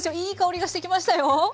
いい香りがしてきましたよ。